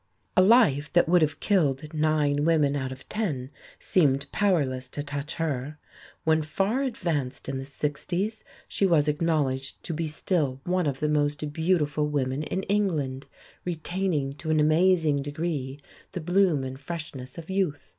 A life that would have killed nine women out of ten seemed powerless to touch her. When far advanced in the sixties she was acknowledged to be still one of the most beautiful women in England, retaining to an amazing degree the bloom and freshness of youth.